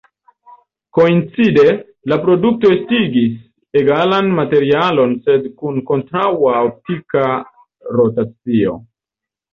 Koincide, la produkto estigis egalan materialon sed kun kontraŭa optika rotacio.